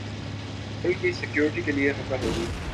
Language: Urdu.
ملک کی سیکیورٹی کے لیے خطرہ ہوگی